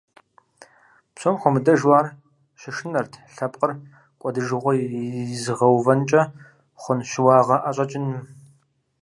Псом хуэмыдэжу ар щышынэрт лъэпкъыр кӀуэдыжыгъуэ изыгъэувэнкӀэ хъун щыуагъэ ӀэщӀэкӀыным.